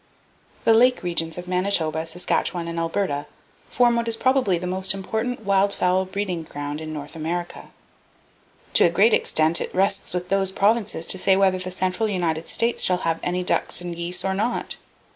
The lake regions of Manitoba, Saskatchewan and Alberta form what is probably the most important wild fowl breeding ground in North America. To a great extent it rests with those provinces to say whether the central United States shall have any ducks and geese, or not!